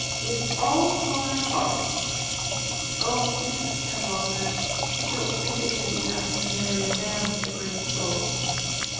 "With all my heart." "Oh, Mrs. Cadwallader, I don't think it can be nice to marry a man with a great soul."